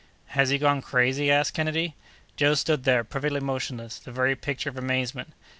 "Has he gone crazy?" asked Kennedy. Joe stood there, perfectly motionless, the very picture of amazement.